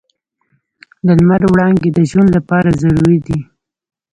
د لمر وړانګې د ژوند لپاره ضروري دي.